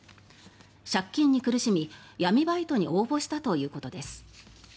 借金に苦しみ、闇バイトに応募したということです。